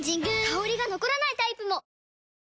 香りが残らないタイプも！